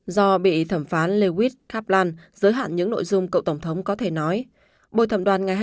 do bị thẩm phán lewis kaplan giới hạn những nội dung cậu tổng thống có thể nói